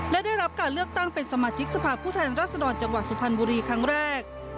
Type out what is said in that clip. และได้รับการเลือกตั้งเป็นสมาชิกสภาพผู้แทนรัศดรจังหวัดสุพรรณบุรีครั้งแรก